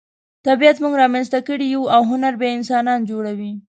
طبیعت موږ را منځته کړي یو او هنر بیا انسانان جوړوي.